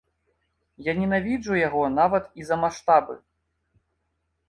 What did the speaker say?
Я ненавіджу яго нават і за маштабы.